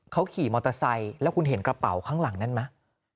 เขาขี่มอเตอร์ไซค์แล้วคุณเห็นกระเป๋าข้างหลังนั้นไหม